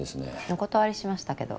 お断りしましたけど？